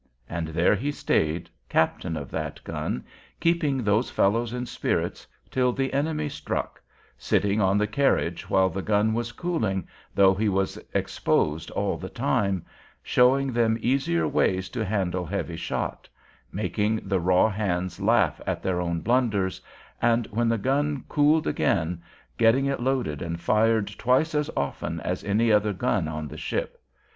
And there he stayed, captain of that gun, keeping those fellows in spirits, till the enemy struck, sitting on the carriage while the gun was cooling, though he was exposed all the time, showing them easier ways to handle heavy shot, making the raw hands laugh at their own blunders, and when the gun cooled again, getting it loaded and fired twice as often as any other gun on the ship.